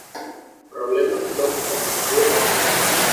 ¿ Problemas, dónde? ¡ ahí abajo!